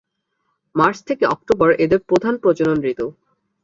March থেকে October এদের প্রধান প্রজনন ঋতু।